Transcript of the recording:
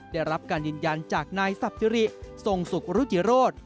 ได้รับการยืนยันจากนายสับสิริทรงสุขรุจิโรธ